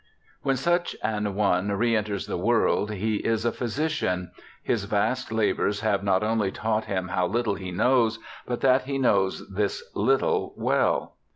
' When such an one re enters the world, he is a physician ; his vast labours have not only taught him now little he knows, but that he knows this little well.